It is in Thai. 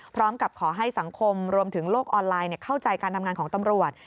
พร้อมกับขอให้สังคมรวมถึงโลกออนไลน์เข้าใจการทำงานของตำรวจ